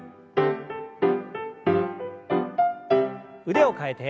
腕を替えて。